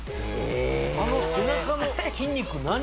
あの背中の筋肉何？